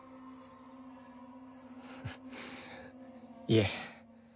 いえ。